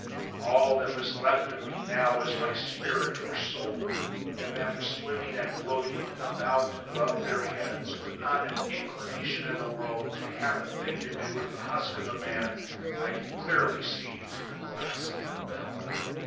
All that was left of me now was my spirit, or soul. And that was swimming and floating about above their heads with not an inclination in the world to have a thing to do with the husk of the man I could clearly see through the glass of the bell.